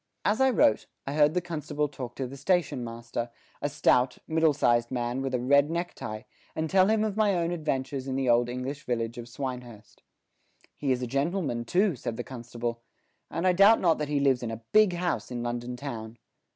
As I wrote, I heard the constable talk to the station master, a stout, middle sized man with a red neck tie, and tell him of my own adventures in the old English village of Swinehurst. "He is a gentleman too," said the constable, "and I doubt not that he lives in a big house in London town."